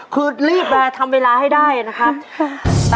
คือรีบมาทำเวลาให้ได้นะครับค่ะ